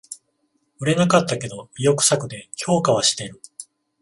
売れなかったけど意欲作で評価はしてる